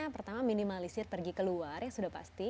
pertama minimalisir pergi keluar yang sudah pasti